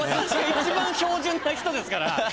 一番標準な人ですから。